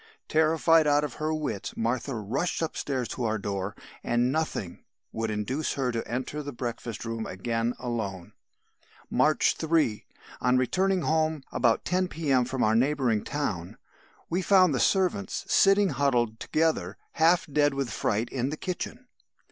"Terrified out of her wits Martha rushed upstairs to our door, and nothing would induce her to enter the breakfast room again alone. "March 3. On returning home about 10 P.M. from a neighbouring town, we found the servants sitting huddled together, half dead with fright in the kitchen.